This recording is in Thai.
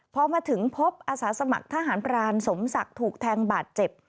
พอมาถึงพบอาสาสมัครทหารพรานสมศักดิ์ถูกแทงบาดเจ็บ